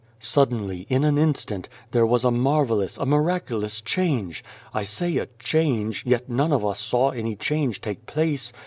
" Suddenly, in an instant, there was a marvellous, a miraculous change. I say a 4 change,' yet none of us saw any change take place.